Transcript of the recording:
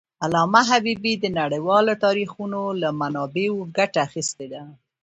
علامه حبيبي د نړیوالو تاریخونو له منابعو ګټه اخېستې ده.